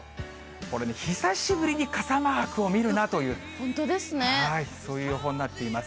これね、久しぶりに傘マークを見るなという、そういう予報になっています。